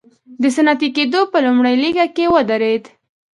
د صنعتي کېدو په لومړۍ لیکه کې ودرېد.